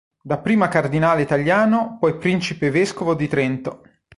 Dapprima cardinale italiano poi principe vescovo di Trento.